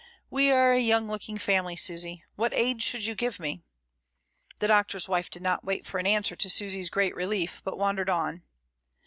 "We are a young looking family, Susy, what age should you give me?" The Doctor's wife did not wait for an answer, to Susy's great relief, but wandered on.